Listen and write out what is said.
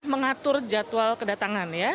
mengatur jadwal kedatangan ya